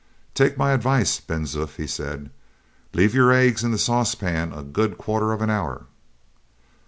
"Take my advice, Ben Zoof," he said; "leave your eggs in the saucepan a good quarter of an hour."